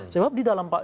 sebab di dalam pak